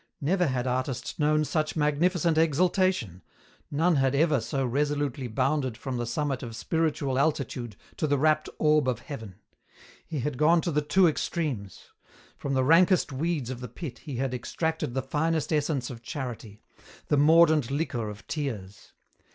Never had artist known such magnificent exaltation, none had ever so resolutely bounded from the summit of spiritual altitude to the rapt orb of heaven. He had gone to the two extremes. From the rankest weeds of the pit he had extracted the finest essence of charity, the mordant liquor of tears.